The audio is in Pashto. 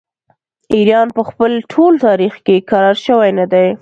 ایران په خپل ټول تاریخ کې کرار شوی نه دی.